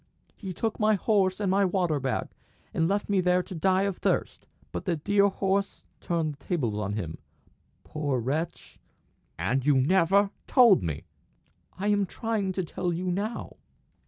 "He took my horse and my water bag, and left me there to die of thirst; but the dear horse turned the tables on him poor wretch!" "And you never told me!" "I am trying to tell you now."